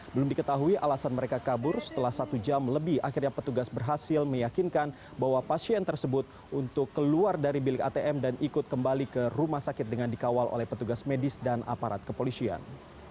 belum diketahui alasan mereka kabur setelah satu jam lebih akhirnya petugas berhasil meyakinkan bahwa pasien tersebut untuk keluar dari bilik atm dan ikut kembali ke rumah sakit dengan dikawal oleh petugas medis dan aparat kepolisian